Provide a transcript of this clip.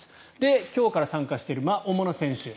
今日から参加している主な選手。